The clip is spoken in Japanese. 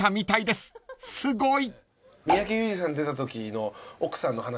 ［すごい！］